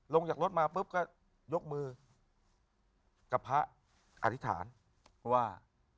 ลงจากรถมาปุ๊บก็ยกมือกับพระอธิษฐานว่า